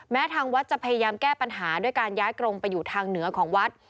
ทางวัดจะพยายามแก้ปัญหาด้วยการย้ายกรงไปอยู่ทางเหนือของวัด